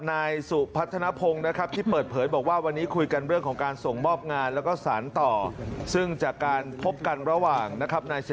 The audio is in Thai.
การปรับลดทันทีแน่นอนเลยคุณครับ